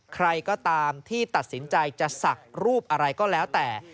ใครก็ตามที่ตัดสินใจจะศักดิ์รูปอะไรก็แล้วแต่